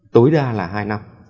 tối đa là hai năm